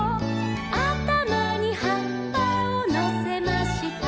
「あたまにはっぱをのせました」